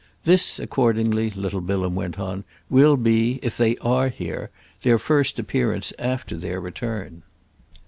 This, accordingly," little Bilham went on, "will be—if they are here—their first appearance after their return."